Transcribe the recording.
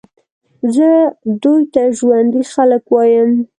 زه دوی ته ژوندي خلک وایم.